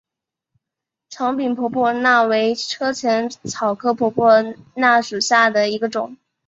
长柄婆婆纳为车前草科婆婆纳属下的一个种。